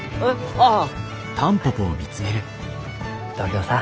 ああ。